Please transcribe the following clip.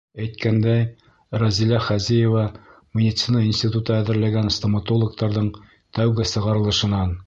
Әйткәндәй, Рәзилә Хәзиева медицина институты әҙерләгән стоматологтарҙың тәүге сығарылышынан.